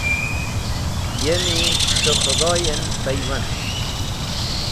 Yemi dẽ Khũdhoy en paywand.